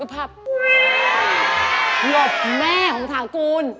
หลบจะลืมนะครับแม่ของถากุน